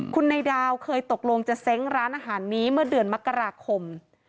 คุณนายดาวเคยตกลงจะเซ้งร้านอาหารนี้เมื่อเดือนมกราคม